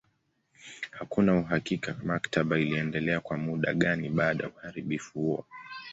Hakuna uhakika maktaba iliendelea kwa muda gani baada ya uharibifu huo.